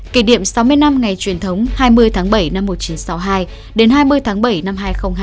kỷ niệm sáu mươi năm ngày truyền thống hai mươi tháng bảy năm một nghìn chín trăm sáu mươi hai đến hai mươi tháng bảy năm hai nghìn hai mươi